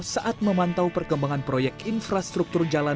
saat memantau perkembangan proyek infrastruktur jalan